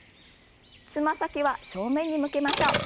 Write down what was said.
つま先は正面に向けましょう。